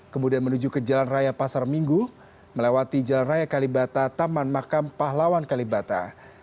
kemudian menuju ke jalan raya pasar minggu melewati jalan raya kalibata taman makam pahlawan kalibata